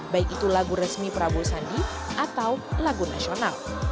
baik itu lagu resmi prabowo sandi atau lagu nasional